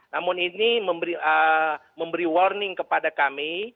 namun ini memberi warning kepada kami